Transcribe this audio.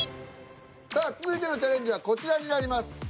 さあ続いてのチャレンジはこちらになります。